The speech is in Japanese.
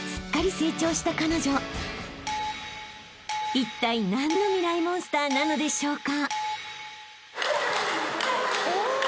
［いったい何のミライ☆モンスターなのでしょうか？］